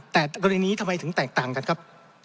แต่กรณีนี้ทำไมถึงแตกต่างกันครับ